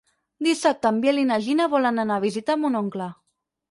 Dissabte en Biel i na Gina volen anar a visitar mon oncle.